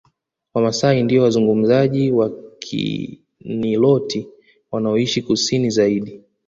Wamasai ndio wazungumzaji wa Kiniloti wanaoishi Kusini zaidi